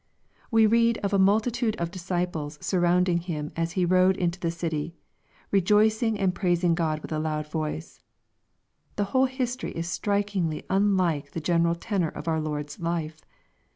We read of a " multitude of disciples" surround ing Him as He rode into the city, " rejoicing and prais ing God with a loud voice " The whole history is strik ingly unlike the general tenor of our Lord's life.